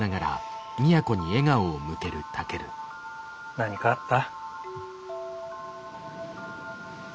何かあった？